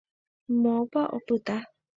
Moõpa opyta.